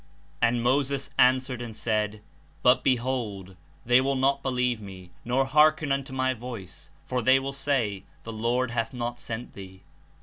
17 ^'Ajid Moses answered and said, But, behold, they will not believe me, nor hearken unto my voice: for they will say, The Lord hath not sent thee."